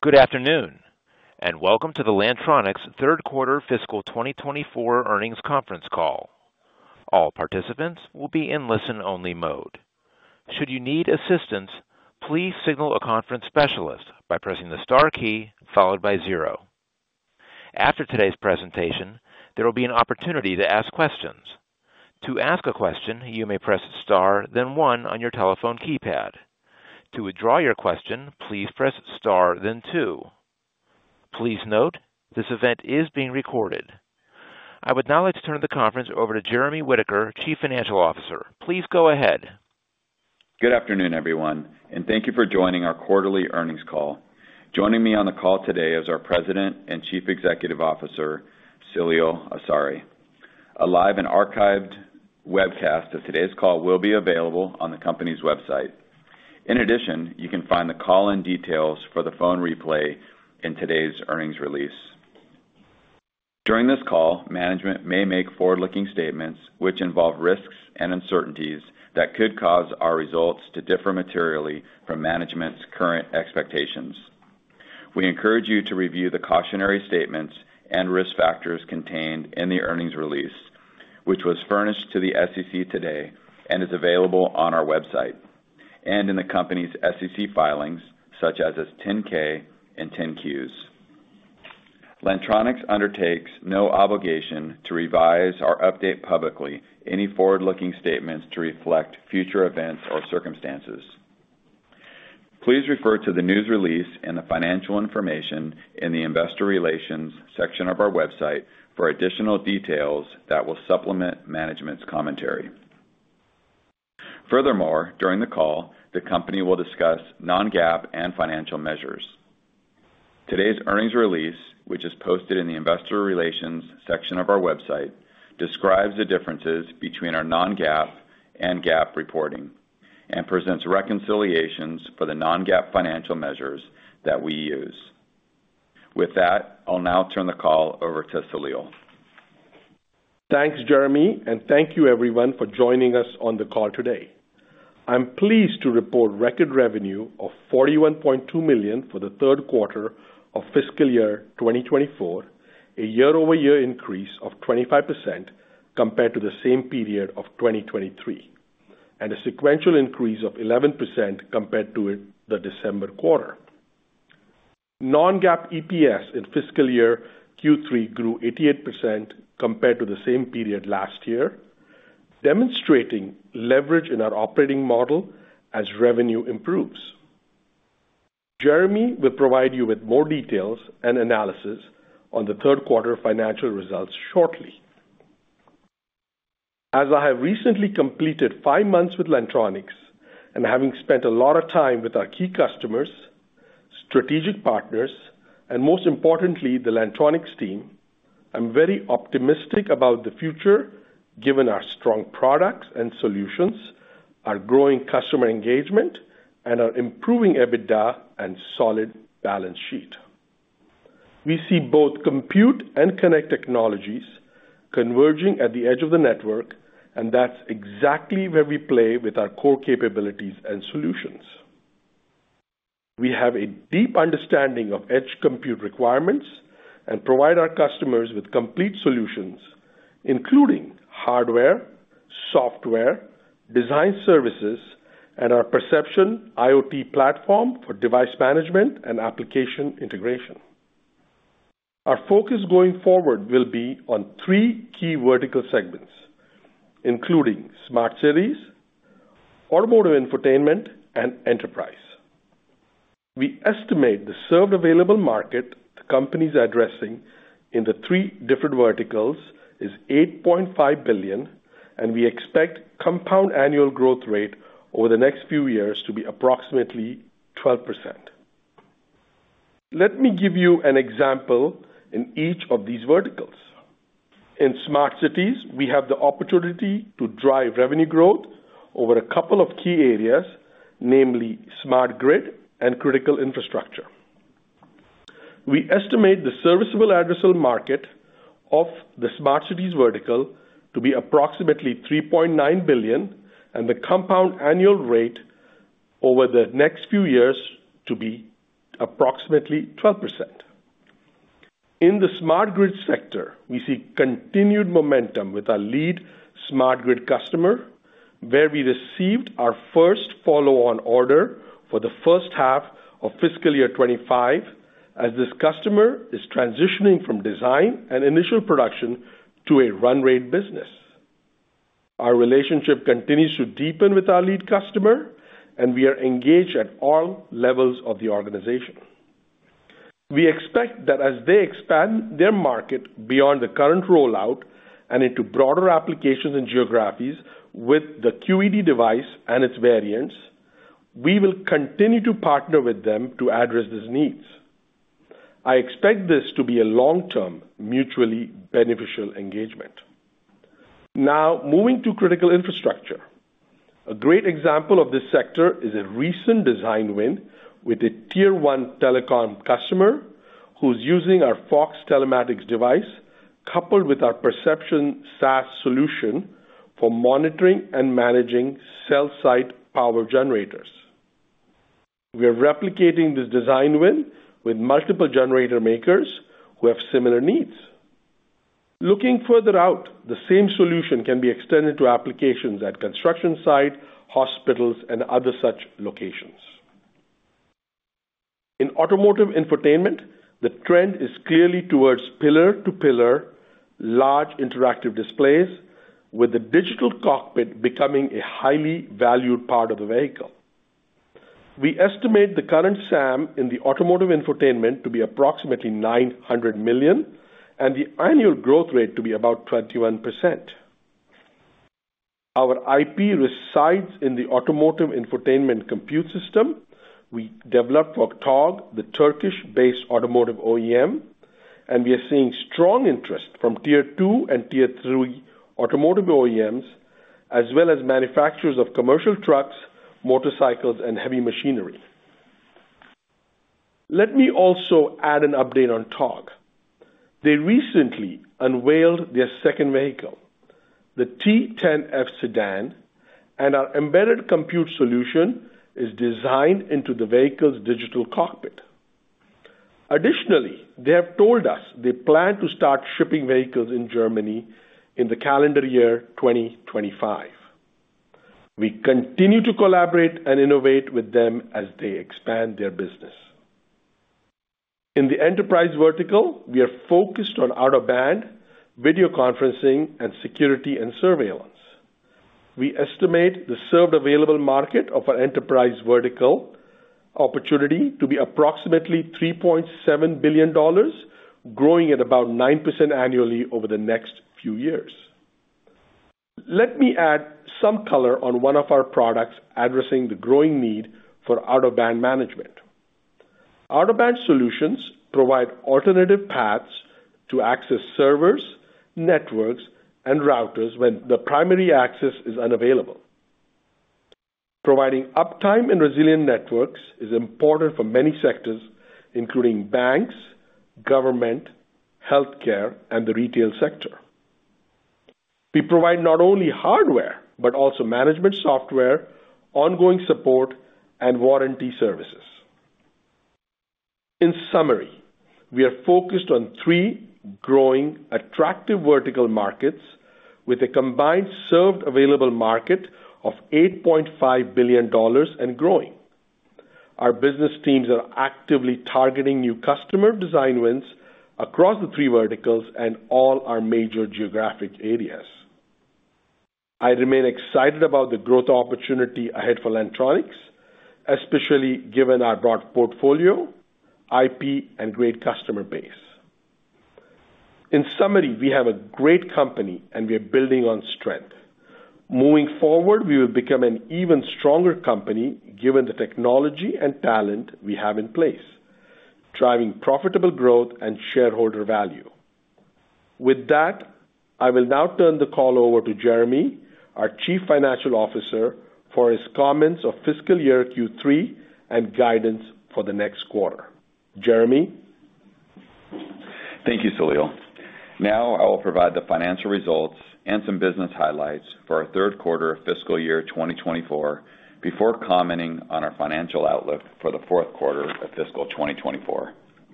Good afternoon, and welcome to the Lantronix third quarter fiscal 2024 earnings conference call. All participants will be in listen-only mode. Should you need assistance, please signal a conference specialist by pressing the star key followed by zero. After today's presentation, there will be an opportunity to ask questions. To ask a question, you may press star, then one on your telephone keypad. To withdraw your question, please press star, then two. Please note, this event is being recorded. I would now like to turn the conference over to Jeremy Whitaker, Chief Financial Officer. Please go ahead. Good afternoon, everyone, and thank you for joining our quarterly earnings call. Joining me on the call today is our President and Chief Executive Officer, Saleel Awsare. A live and archived webcast of today's call will be available on the company's website. In addition, you can find the call-in details for the phone replay in today's earnings release. During this call, management may make forward-looking statements which involve risks and uncertainties that could cause our results to differ materially from management's current expectations. We encourage you to review the cautionary statements and risk factors contained in the earnings release, which was furnished to the SEC today and is available on our website, and in the company's SEC filings, such as its 10-K and 10-Qs. Lantronix undertakes no obligation to revise or update publicly any forward-looking statements to reflect future events or circumstances. Please refer to the news release and the financial information in the investor relations section of our website for additional details that will supplement management's commentary. Furthermore, during the call, the company will discuss non-GAAP and financial measures. Today's earnings release, which is posted in the investor relations section of our website, describes the differences between our non-GAAP and GAAP reporting and presents reconciliations for the non-GAAP financial measures that we use. With that, I'll now turn the call over to Saleel. Thanks, Jeremy, and thank you everyone for joining us on the call today. I'm pleased to report record revenue of $41.2 million for the third quarter of fiscal year 2024, a year-over-year increase of 25% compared to the same period of 2023, and a sequential increase of 11% compared to the December quarter. Non-GAAP EPS in fiscal year Q3 grew 88% compared to the same period last year, demonstrating leverage in our operating model as revenue improves. Jeremy will provide you with more details and analysis on the third quarter financial results shortly. As I have recently completed five months with Lantronix, and having spent a lot of time with our key customers, strategic partners, and most importantly, the Lantronix team, I'm very optimistic about the future, given our strong products and solutions, our growing customer engagement, and our improving EBITDA and solid balance sheet. We see both compute and connect technologies converging at the edge of the network, and that's exactly where we play with our core capabilities and solutions. We have a deep understanding of edge compute requirements and provide our customers with complete solutions, including hardware, software, design services, and our Percepxion IoT platform for device management and application integration. Our focus going forward will be on three key vertical segments, including smart cities, automotive infotainment, and enterprise. We estimate the serviceable available market the company is addressing in the three different verticals is $8.5 billion, and we expect compound annual growth rate over the next few years to be approximately 12%. Let me give you an example in each of these verticals. In smart cities, we have the opportunity to drive revenue growth over a couple of key areas, namely smart grid and critical infrastructure. We estimate the serviceable addressable market of the smart cities vertical to be approximately $3.9 billion and the compound annual rate over the next few years to be approximately 12%. In the smart grid sector, we see continued momentum with our lead smart grid customer, where we received our first follow-on order for the first half of fiscal year 2025, as this customer is transitioning from design and initial production to a run rate business. Our relationship continues to deepen with our lead customer, and we are engaged at all levels of the organization. We expect that as they expand their market beyond the current rollout and into broader applications and geographies with the QED device and its variants, we will continue to partner with them to address these needs. I expect this to be a long-term, mutually beneficial engagement. Now, moving to critical infrastructure. A great example of this sector is a recent design win with a tier one telecom customer who's using our FOX telematics device, coupled with our Percepxion SaaS solution for monitoring and managing cell site power generators. We are replicating this design win with multiple generator makers who have similar needs. Looking further out, the same solution can be extended to applications at construction site, hospitals, and other such locations. In automotive infotainment, the trend is clearly towards pillar-to-pillar, large interactive displays, with the digital cockpit becoming a highly valued part of the vehicle. We estimate the current SAM in the automotive infotainment to be approximately $900 million, and the annual growth rate to be about 21%. Our IP resides in the automotive infotainment compute system. We developed for Togg, the Turkish-based automotive OEM, and we are seeing strong interest from Tier Two and Tier Three automotive OEMs, as well as manufacturers of commercial trucks, motorcycles, and heavy machinery. Let me also add an update on Togg. They recently unveiled their second vehicle, the T10F sedan, and our embedded compute solution is designed into the vehicle's digital cockpit. Additionally, they have told us they plan to start shipping vehicles in Germany in the calendar year 2025. We continue to collaborate and innovate with them as they expand their business. In the enterprise vertical, we are focused on out-of-band video conferencing and security and surveillance. We estimate the served available market of our enterprise vertical opportunity to be approximately $3.7 billion, growing at about 9% annually over the next few years. Let me add some color on one of our products addressing the growing need for out-of-band management. Out-of-band solutions provide alternative paths to access servers, networks, and routers when the primary access is unavailable. Providing uptime and resilient networks is important for many sectors, including banks, government, healthcare, and the retail sector. We provide not only hardware, but also management software, ongoing support, and warranty services. In summary, we are focused on three growing, attractive vertical markets with a combined served available market of $8.5 billion and growing. Our business teams are actively targeting new customer design wins across the three verticals and all our major geographic areas. I remain excited about the growth opportunity ahead for Lantronix, especially given our broad portfolio, IP, and great customer base. In summary, we have a great company, and we are building on strength. Moving forward, we will become an even stronger company given the technology and talent we have in place, driving profitable growth and shareholder value. With that, I will now turn the call over to Jeremy, our Chief Financial Officer, for his comments of fiscal year Q3 and guidance for the next quarter. Jeremy? Thank you, Saleel. Now I will provide the financial results and some business highlights for our third quarter of fiscal year 2024, before commenting on our financial outlook for the fourth quarter of fiscal 2024.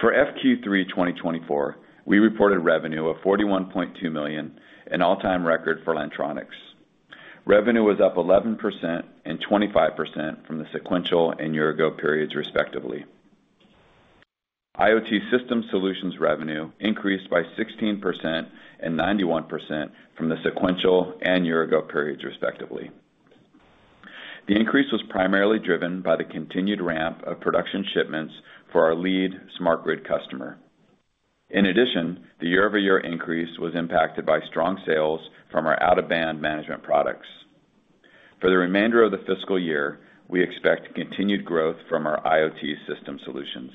For FQ3 2024, we reported revenue of $41.2 million, an all-time record for Lantronix. Revenue was up 11% and 25% from the sequential and year ago periods, respectively. IoT system solutions revenue increased by 16% and 91% from the sequential and year ago periods, respectively. The increase was primarily driven by the continued ramp of production shipments for our lead smart grid customer. In addition, the year-over-year increase was impacted by strong sales from our out-of-band management products. For the remainder of the fiscal year, we expect continued growth from our IoT system solutions.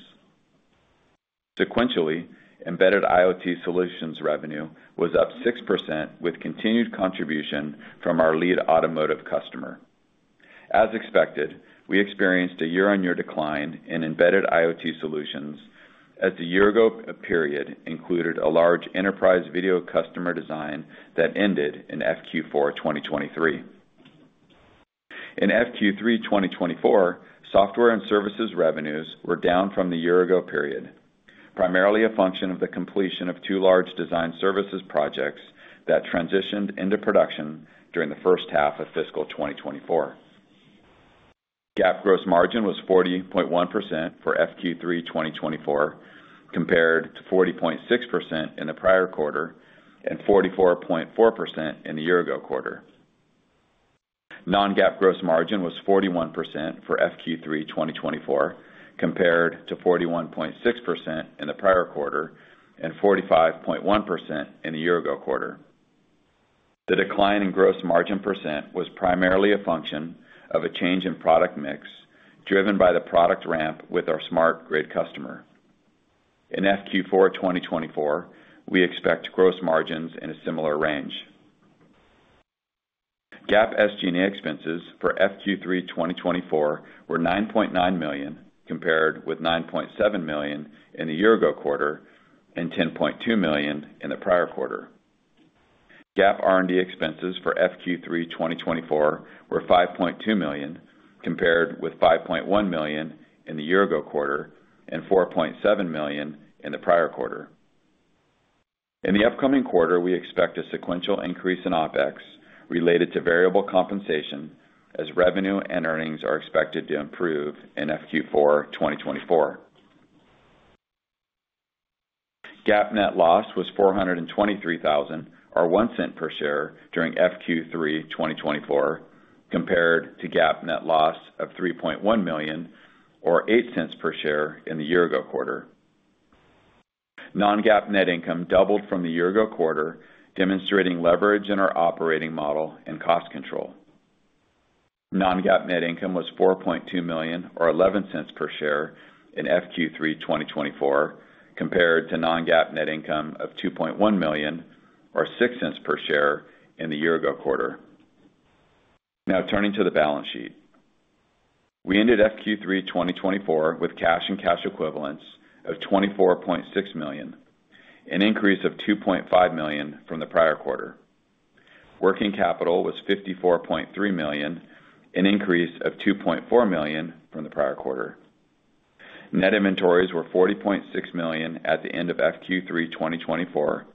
Sequentially, embedded IoT solutions revenue was up 6%, with continued contribution from our lead automotive customer. As expected, we experienced a year-on-year decline in embedded IoT solutions, as the year ago period included a large enterprise video customer design that ended in FQ4 2023. In FQ3 2024, software and services revenues were down from the year ago period, primarily a function of the completion of two large design services projects that transitioned into production during the first half of fiscal 2024. GAAP gross margin was 40.1% for FQ3 2024, compared to 40.6% in the prior quarter, and 44.4% in the year ago quarter. Non-GAAP gross margin was 41% for FQ3 2024, compared to 41.6% in the prior quarter and 45.1% in the year ago quarter. The decline in gross margin % was primarily a function of a change in product mix, driven by the product ramp with our smart grid customer. In FQ4 2024, we expect gross margins in a similar range. GAAP SG&A expenses for FQ3 2024 were $9.9 million, compared with $9.7 million in the year ago quarter and $10.2 million in the prior quarter. GAAP R&D expenses for FQ3 2024 were $5.2 million, compared with $5.1 million in the year ago quarter and $4.7 million in the prior quarter. In the upcoming quarter, we expect a sequential increase in OpEx related to variable compensation, as revenue and earnings are expected to improve in FQ4 2024. GAAP net loss was $423,000, or $0.01 per share during FQ3 2024, compared to GAAP net loss of $3.1 million, or $0.08 per share in the year ago quarter. Non-GAAP net income doubled from the year ago quarter, demonstrating leverage in our operating model and cost control. Non-GAAP net income was $4.2 million, or $0.11 per share in FQ3 2024, compared to non-GAAP net income of $2.1 million, or $0.06 per share in the year ago quarter. Now turning to the balance sheet. We ended FQ3 2024 with cash and cash equivalents of $24.6 million, an increase of $2.5 million from the prior quarter. Working capital was $54.3 million, an increase of $2.4 million from the prior quarter. Net inventories were $40.6 million at the end of FQ3 2024,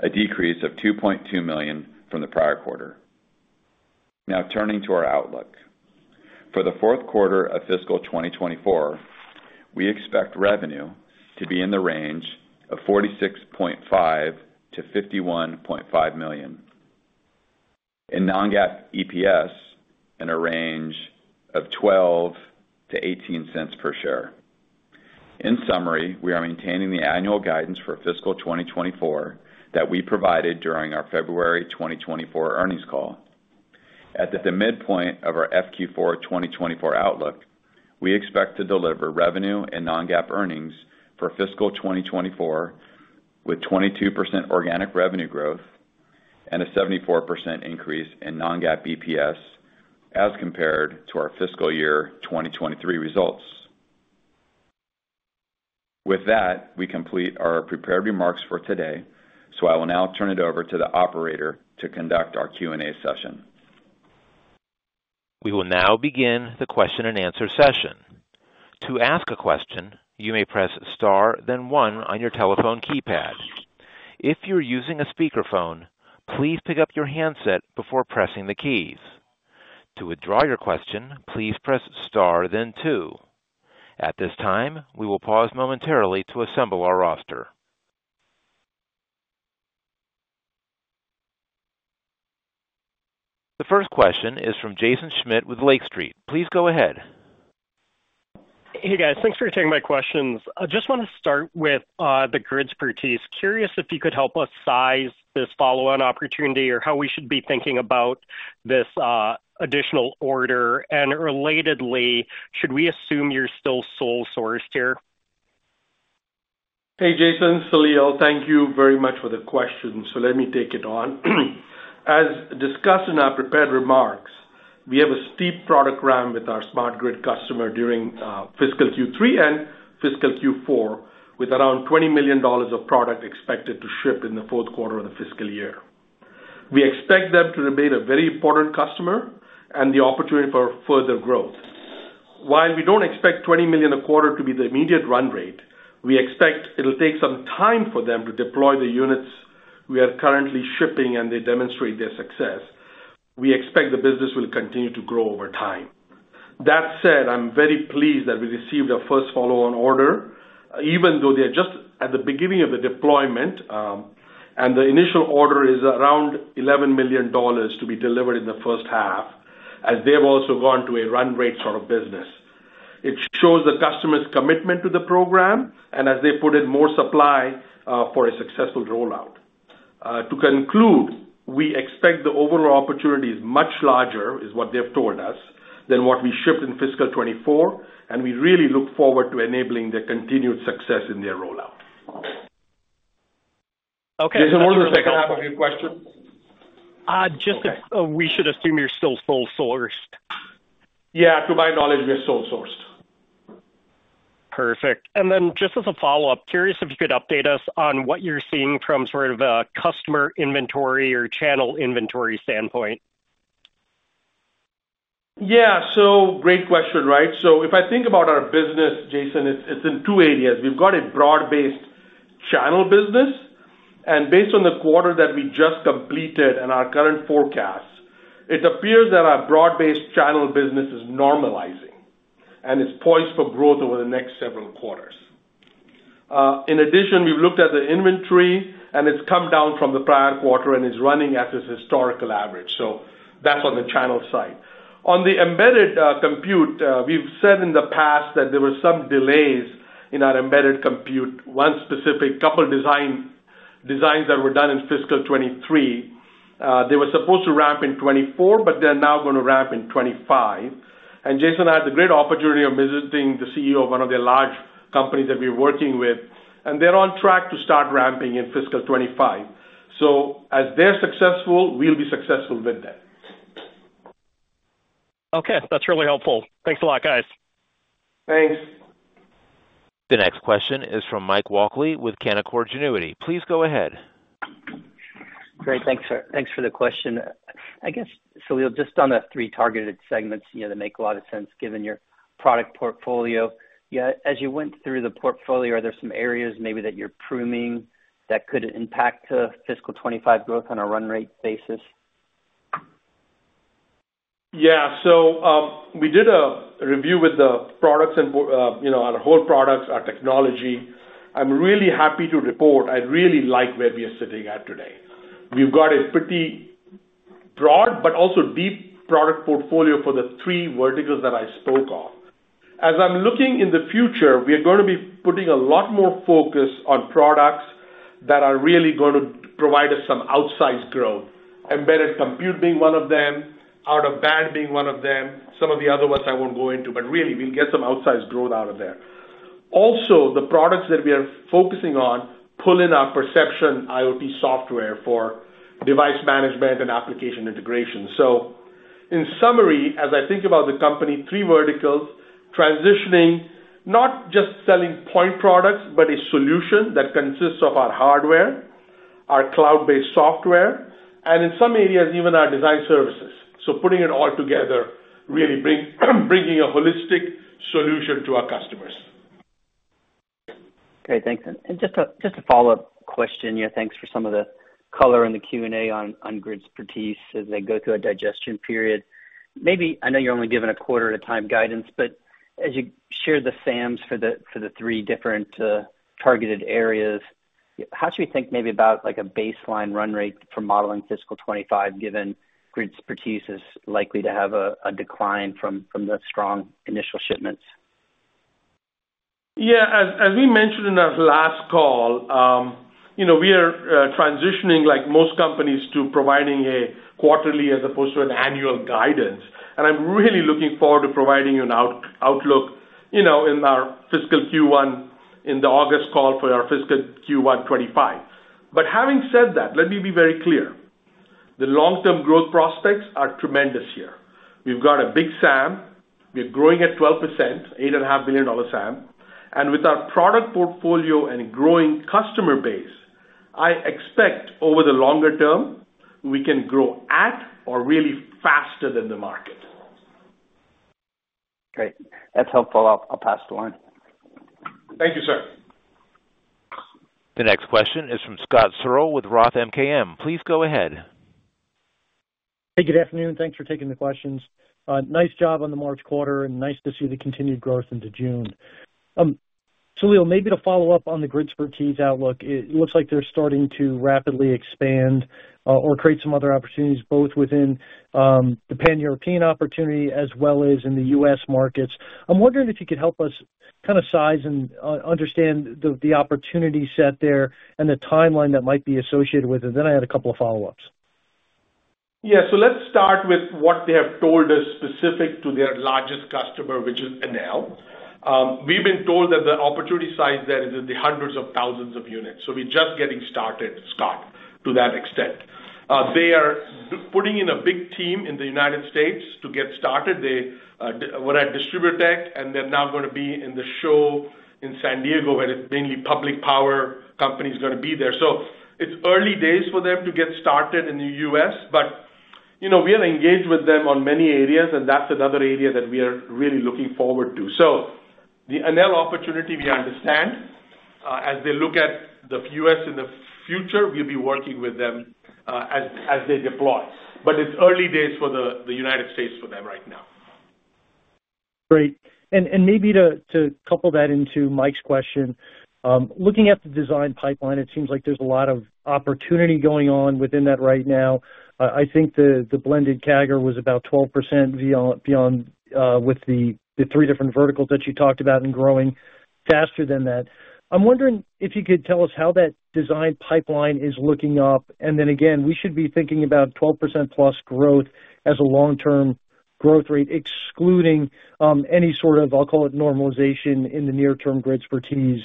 a decrease of $2.2 million from the prior quarter. Now, turning to our outlook. For the fourth quarter of fiscal 2024, we expect revenue to be in the range of $46.5 million-$51.5 million, and non-GAAP EPS in a range of 12-18 cents per share. In summary, we are maintaining the annual guidance for fiscal 2024 that we provided during our February 2024 earnings call. At the midpoint of our FQ4 2024 outlook, we expect to deliver revenue and non-GAAP earnings for fiscal 2024, with 22% organic revenue growth and a 74% increase in non-GAAP EPS as compared to our fiscal year 2023 results. With that, we complete our prepared remarks for today, so I will now turn it over to the operator to conduct our Q&A session. We will now begin the question-and-answer session. To ask a question, you may press star, then one on your telephone keypad. If you're using a speakerphone, please pick up your handset before pressing the keys. To withdraw your question, please press star then two. At this time, we will pause momentarily to assemble our roster. The first question is from Jaeson Schmidt with Lake Street. Please go ahead. Hey, guys. Thanks for taking my questions. I just want to start with the Gridspertise. Curious if you could help us size this follow-on opportunity or how we should be thinking about this additional order. And relatedly, should we assume you're still sole sourced here? Hey, Jason. Saleel. Thank you very much for the question. Let me take it on. As discussed in our prepared remarks, we have a steep product ramp with our smart grid customer during fiscal Q3 and fiscal Q4, with around $20 million of product expected to ship in the fourth quarter of the fiscal year. We expect them to remain a very important customer and the opportunity for further growth. While we don't expect $20 million a quarter to be the immediate run rate, we expect it'll take some time for them to deploy the units we are currently shipping and they demonstrate their success. We expect the business will continue to grow over time. That said, I'm very pleased that we received our first follow-on order, even though they are just at the beginning of the deployment, and the initial order is around $11 million to be delivered in the first half, as they've also gone to a run rate sort of business. It shows the customer's commitment to the program and as they put in more supply, for a successful rollout. To conclude, we expect the overall opportunity is much larger, is what they've told us, than what we shipped in fiscal 2024, and we really look forward to enabling their continued success in their rollout. Okay- There's a second half of your question? Just if we should assume you're still sole sourced. Yeah, to my knowledge, we're sole sourced. Perfect. And then just as a follow-up, curious if you could update us on what you're seeing from sort of a customer inventory or channel inventory standpoint? Yeah. So great question, right? So if I think about our business, Jason, it's, it's in two areas. We've got a broad-based channel business, and based on the quarter that we just completed and our current forecasts, it appears that our broad-based channel business is normalizing and is poised for growth over the next several quarters. In addition, we've looked at the inventory, and it's come down from the prior quarter and is running at its historical average, so that's on the channel side. On the embedded compute, we've said in the past that there were some delays in our embedded compute. One specific couple designs that were done in fiscal 2023, they were supposed to ramp in 2024, but they're now gonna ramp in 2025. And Jaeson, I had the great opportunity of visiting the CEO of one of their large companies that we're working with, and they're on track to start ramping in fiscal 2025. So as they're successful, we'll be successful with them. Okay. That's really helpful. Thanks a lot, guys. Thanks. The next question is from Mike Walkley with Canaccord Genuity. Please go ahead. Great. Thanks for the question. I guess, Saleel, just on the three targeted segments, you know, that make a lot of sense given your product portfolio. Yeah, as you went through the portfolio, are there some areas maybe that you're pruning that could impact fiscal 2025 growth on a run rate basis? Yeah, so, we did a review with the products and, you know, our whole products, our technology. I'm really happy to report I really like where we are sitting at today. We've got a pretty broad but also deep product portfolio for the three verticals that I spoke of. As I'm looking in the future, we are gonna be putting a lot more focus on products that are really gonna provide us some outsized growth, embedded compute being one of them, out-of-band being one of them, some of the other ones I won't go into, but really, we'll get some outsized growth out of there. Also, the products that we are focusing on pull in our Percepxion IoT software for device management and application integration. So in summary, as I think about the company, three verticals, transitioning, not just selling point products, but a solution that consists of our hardware, our cloud-based software, and in some areas, even our design services. So putting it all together, really bringing a holistic solution to our customers. Great, thanks. And just a follow-up question. Yeah, thanks for some of the color in the Q&A on Gridspertise as they go through a digestion period. Maybe I know you're only given a quarter at a time guidance, but as you share the SAMs for the three different targeted areas, how should we think maybe about like a baseline run rate for modeling fiscal 2025, given Gridspertise is likely to have a decline from the strong initial shipments? Yeah, as we mentioned in our last call, you know, we are transitioning, like most companies, to providing a quarterly as opposed to an annual guidance. And I'm really looking forward to providing you an outlook, you know, in our fiscal Q1, in the August call for our fiscal Q1 2025. But having said that, let me be very clear. The long-term growth prospects are tremendous here. We've got a big SAM. We're growing at 12%, $8.5 billion SAM. And with our product portfolio and growing customer base, I expect over the longer term, we can grow at or really faster than the market. Great. That's helpful. I'll pass the line. Thank you, sir. The next question is from Scott Searle with Roth MKM. Please go ahead. Hey, good afternoon. Thanks for taking the questions. Nice job on the March quarter, and nice to see the continued growth into June. Saleel, maybe to follow up on the Gridspertise outlook, it looks like they're starting to rapidly expand or create some other opportunities, both within the Pan-European opportunity as well as in the U.S. markets. I'm wondering if you could help us kind of size and understand the opportunity set there and the timeline that might be associated with it. Then I had a couple of follow-ups. Yeah. So let's start with what they have told us specific to their largest customer, which is Enel. We've been told that the opportunity size there is in the hundreds of thousands of units, so we're just getting started, Scott, to that extent. They are putting in a big team in the United States to get started. They were at DistribuTECH, and they're now gonna be in the show in San Diego, where it's mainly public power companies gonna be there. So it's early days for them to get started in the US, but, you know, we are engaged with them on many areas, and that's another area that we are really looking forward to. So the Enel opportunity, we understand, as they look at the US in the future, we'll be working with them, as they deploy. But it's early days for the United States for them right now. Great. And maybe to couple that into Mike's question, looking at the design pipeline, it seems like there's a lot of opportunity going on within that right now. I think the blended CAGR was about 12% beyond with the three different verticals that you talked about and growing faster than that. I'm wondering if you could tell us how that design pipeline is looking up, and then again, we should be thinking about 12%+ growth as a long-term growth rate, excluding any sort of, I'll call it, normalization in the near-term Gridspertise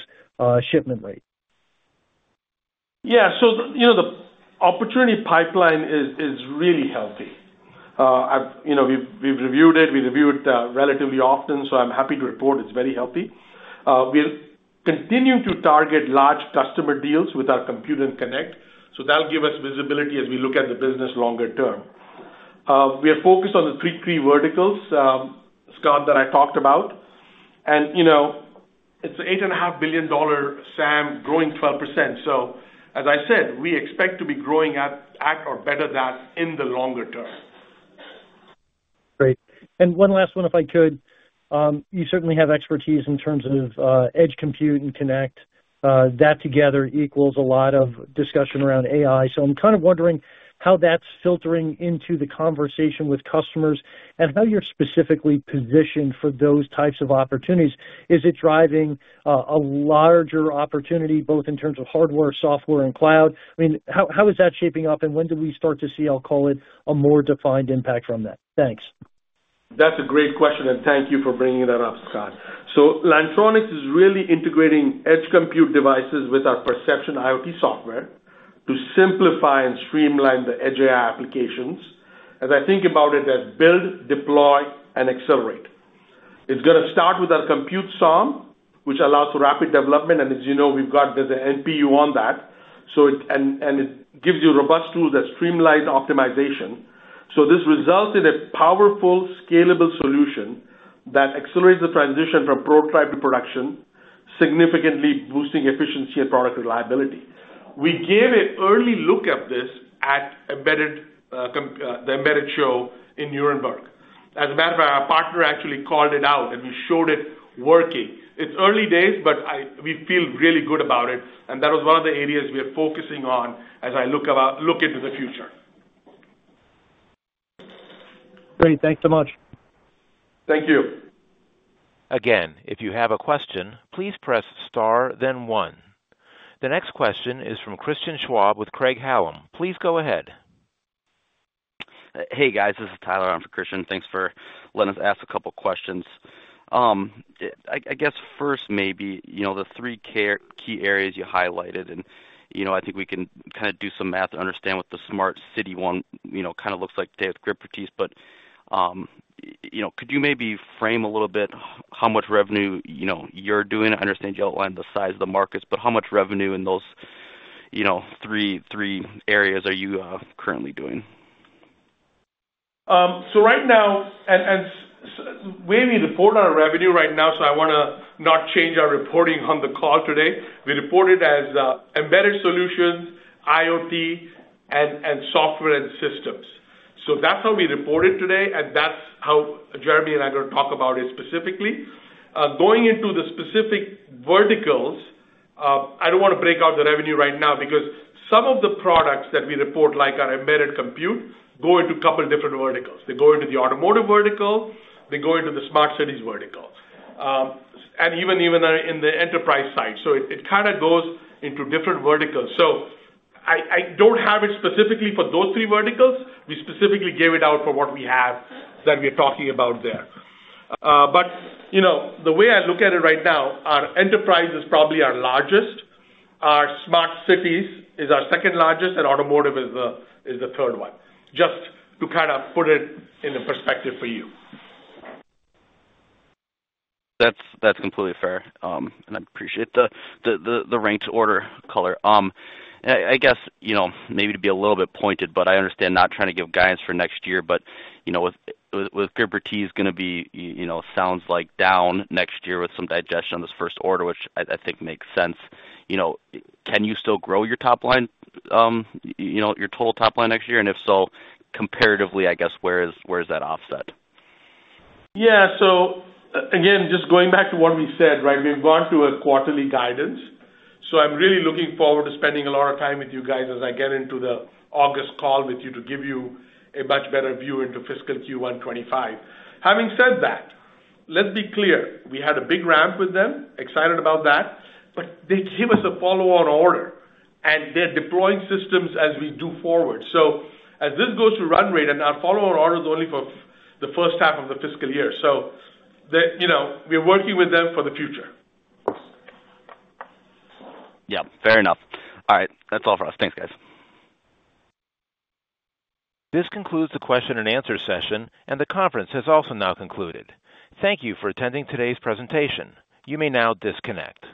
shipment rate. Yeah, so, you know, the opportunity pipeline is really healthy. I've-- you know, we've reviewed it. We review it relatively often, so I'm happy to report it's very healthy. We'll continue to target large customer deals with our compute and connect, so that'll give us visibility as we look at the business longer term. We are focused on the three verticals, Scott, that I talked about. And, you know, it's an $8.5 billion SAM growing 12%. So as I said, we expect to be growing at or better than in the longer term. Great. And one last one, if I could. You certainly have expertise in terms of, edge compute and connect. That together equals a lot of discussion around AI. So I'm kind of wondering how that's filtering into the conversation with customers and how you're specifically positioned for those types of opportunities. Is it driving, a larger opportunity, both in terms of hardware, software, and cloud? I mean, how, how is that shaping up, and when do we start to see, I'll call it, a more defined impact from that? Thanks. ... That's a great question, and thank you for bringing that up, Scott. So Lantronix is really integrating edge compute devices with our Percepxion IoT software to simplify and streamline the edge AI applications, as I think about it, as build, deploy, and accelerate. It's gonna start with our Compute SOM, which allows for rapid development, and as you know, we've got the NPU on that. So it and it gives you robust tools that streamline optimization. So this results in a powerful, scalable solution that accelerates the transition from prototype to production, significantly boosting efficiency and product reliability. We gave an early look at this at the Embedded show in Nuremberg. As a matter of fact, our partner actually called it out, and we showed it working. It's early days, but we feel really good about it, and that was one of the areas we are focusing on as I look into the future. Great. Thanks so much. Thank you. Again, if you have a question, please press Star, then one. The next question is from Christian Schwab with Craig-Hallum. Please go ahead. Hey, guys, this is Tyler on for Christian. Thanks for letting us ask a couple questions. I guess first maybe, you know, the three key areas you highlighted, and, you know, I think we can kinda do some math to understand what the smart city one, you know, kinda looks like today with Gridspertise, but, you know, could you maybe frame a little bit how much revenue, you know, you're doing? I understand you outlined the size of the markets, but how much revenue in those, you know, three, three areas are you currently doing? So right now, we report our revenue right now, so I wanna not change our reporting on the call today. We report it as embedded solutions, IoT, and software and systems. So that's how we report it today, and that's how Jeremy and I are gonna talk about it specifically. Going into the specific verticals, I don't wanna break out the revenue right now because some of the products that we report, like our embedded compute, go into a couple different verticals. They go into the automotive vertical, they go into the smart cities vertical, and even in the enterprise side. So it kinda goes into different verticals. So I don't have it specifically for those three verticals. We specifically gave it out for what we have that we're talking about there. You know, the way I look at it right now, our enterprise is probably our largest, our smart cities is our second largest, and automotive is the third one, just to kind of put it into perspective for you. That's completely fair, and I appreciate the ranked order color. I guess, you know, maybe to be a little bit pointed, but I understand not trying to give guidance for next year, but, you know, with Gridspertise gonna be, you know, sounds like down next year with some digestion on this first order, which I think makes sense. You know, can you still grow your top line, you know, your total top line next year? And if so, comparatively, I guess, where is that offset? Yeah. So again, just going back to what we said, right? We've gone through a quarterly guidance, so I'm really looking forward to spending a lot of time with you guys as I get into the August call with you, to give you a much better view into fiscal Q1 2025. Having said that, let's be clear, we had a big ramp with them, excited about that, but they gave us a follow-on order, and they're deploying systems as we do forward. So as this goes to run rate and our follow-on order is only for the first half of the fiscal year, so the... You know, we're working with them for the future. Yeah, fair enough. All right. That's all for us. Thanks, guys. This concludes the question and answer session, and the conference has also now concluded. Thank you for attending today's presentation. You may now disconnect.